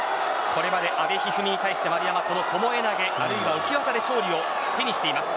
ここまで阿部一二三に対してこの巴投、あるいは浮技で勝利を手にしています。